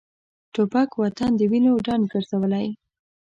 توپک وطن د وینو ډنډ ګرځولی.